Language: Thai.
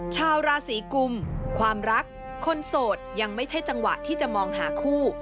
ชาวราศีกุมความรักคนโสดยังไม่ใช่จังหวะที่จะมองหาคู่